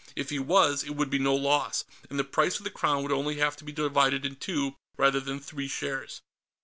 If he was, it would be no loss, and the price of the Crown would only have to be divided in two, rather than three, shares.